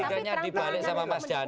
yang lukanya dibalik sama mas dhani